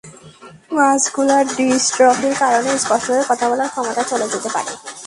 Muscular ডিসট্রফির কারণে স্পষ্টভাবে কথা বলার ক্ষমতা চলে যেতে পারে।